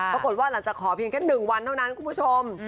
ปรากฏว่าหลังจากขอเพียงแค่๑วันเท่านั้นคุณผู้ชม